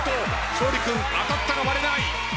勝利君当たったが割れない。